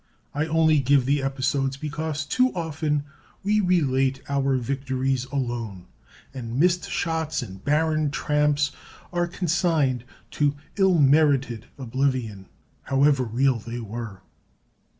I only give the episodes because too often we relate our victories alone, and missed shots and barren tramps are consigned to ill merited oblivion, however real they were.